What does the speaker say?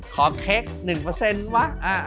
ขอเค้ก๑วะ